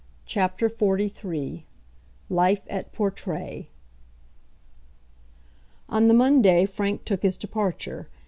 CHAPTER XLIII Life at Portray On the Monday Frank took his departure.